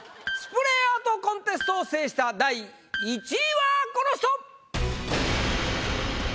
スプレーアートコンテストを制した第１位はこの人！